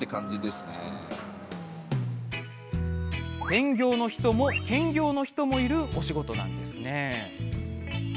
専業の人も兼業の人もいるお仕事なんですね。